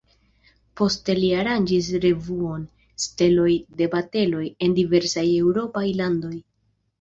Poste li aranĝis revuon "Steloj de baletoj" en diversaj eŭropaj landoj.